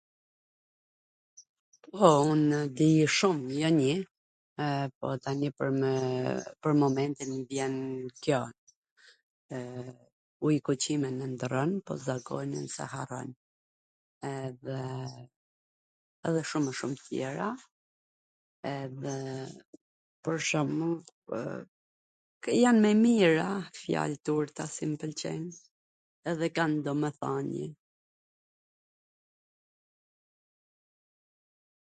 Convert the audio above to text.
Po, unw di shum, jo nji, po tani pwr momentin mw vjen kjo: Ujku qimen e ndwrron, zakonin s e harron, edhe edhe shum e shum tw tjera, edhe pwr shembull, jan me mijra fjal tw urta qw mw pwlqejn, edhe kan domethwnie,